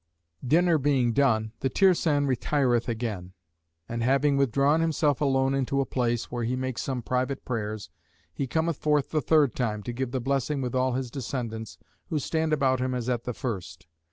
Dinner being done, the Tirsan retireth again; and having withdrawn himself alone into a place, where he makes some private prayers, he cometh forth the third time, to give the blessing with all his descendants, who stand about him as at the first.